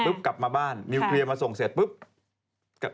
กลับมาบ้านนิวเคลียร์มาส่งเสร็จปุ๊บ